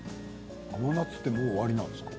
甘夏ってもう終わりなんですか？